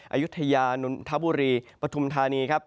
อายุทยานนทบุรีปฐุมธานีครับ